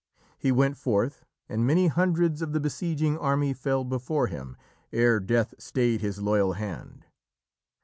He went forth, and many hundreds of the besieging army fell before him, ere death stayed his loyal hand.